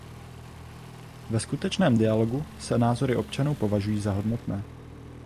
Ve skutečném dialogu se názory občanů považují za hodnotné.